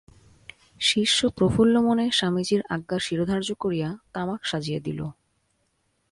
শিষ্য প্রফুল্লমনে স্বামীজীর আজ্ঞা শিরোধার্য করিয়া তামাক সাজিয়া দিল।